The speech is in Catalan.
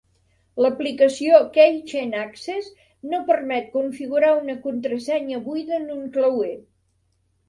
L'aplicació Keychain Access no permet configurar una contrasenya buida en un clauer.